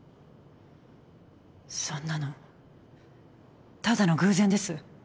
そんなのただの偶然です。